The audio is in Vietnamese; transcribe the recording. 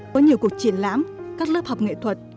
có nhiều cuộc triển lãm các lớp học nghệ thuật